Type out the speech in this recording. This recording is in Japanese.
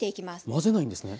混ぜないんですね。